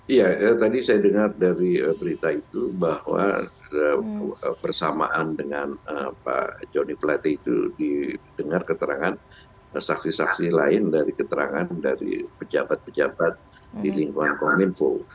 iya tadi saya dengar dari berita itu bahwa bersamaan dengan pak joni plate itu didengar keterangan saksi saksi lain dari keterangan dari pejabat pejabat di lingkungan kominfo